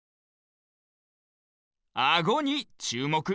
アゴにちゅうもく！